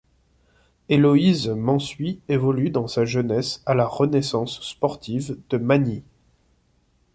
Héloïse Mansuy évolue dans sa jeunesse à la Renaissance sportive de Magny.